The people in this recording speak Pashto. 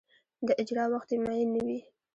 د اجرا وخت یې معین نه وي.